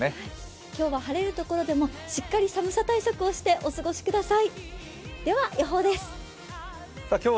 今日は晴れる所でもしっかり寒さ対策をしてお過ごしください。